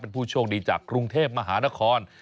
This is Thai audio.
เป็นผู้โชคดีจากกรุงเทพมหานคร